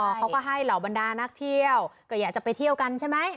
เขาก็ให้เหล่าบรรดานักเที่ยวก็อยากจะไปเที่ยวกันใช่ไหม